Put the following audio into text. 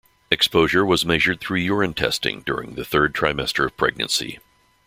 Exposure was measured through urine testing during the third trimester of pregnancy.